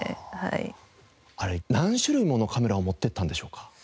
あれ何種類ものカメラを持っていったんでしょうか？